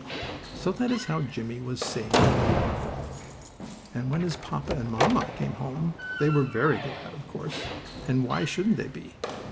So that is how Jimmie was saved from the waterfall, and when his papa and mamma came home they were very glad, of course, and why shouldn't they be?